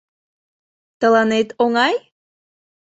— Тыланет оҥай?